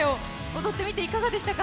踊ってみていかがでしたか？